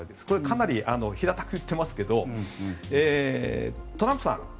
これはかなり平たく言っていますけどトランプさん